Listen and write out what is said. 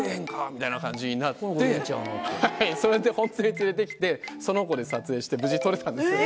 みたいな感じになってそれでホントに連れて来てその子で撮影して無事撮れたんですよ。